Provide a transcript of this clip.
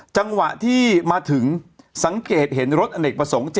จังหวะที่มาถึงสังเกตเห็นรถอเนกประสงค์